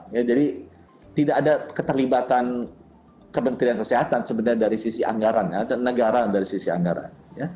jadi tidak ada keterlibatan kementerian kesehatan sebenarnya dari sisi anggaran negara dari sisi anggaran